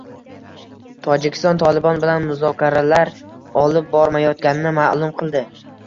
Tojikiston “Tolibon” bilan muzokaralar olib bormayotganini ma’lum qildi